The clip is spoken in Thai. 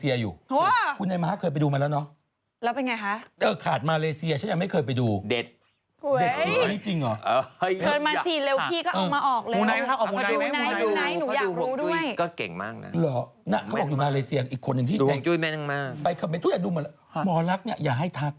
อย่างนี้เธอไหมอยู่มาเลอ่ะผู้ชายอ่ะ